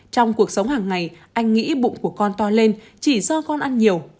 trong cuộc sống hàng ngày anh nghĩ bụng của con to lên chỉ do con ăn nhiều